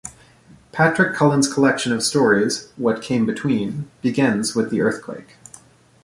Patrick Cullen's collection of stories, "What Came Between", begins with the earthquake.